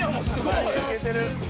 「いけてる」